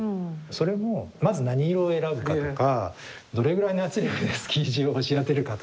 それもまず何色を選ぶかとかどれぐらいの圧力でスキージを押し当てるかとか。